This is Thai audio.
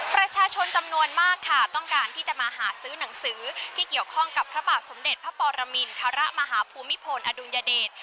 ประชาชนจำนวนมากค่ะต้องการที่จะมาหาซื้อหนังสือที่เกี่ยวข้องกับพระบาทสมเด็จพระปรมินทรมาฮภูมิพลอดุลยเดช